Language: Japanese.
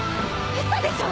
嘘でしょ！？